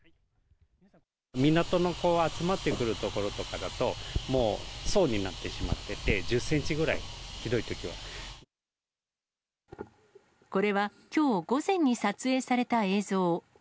港の集まってくる所とかだと、もう層になってしまってて、１０センチくらい、ひどいときにこれはきょう午前に撮影された映像。